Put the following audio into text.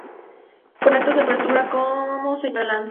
Con actos de apertura como Señora Lanza.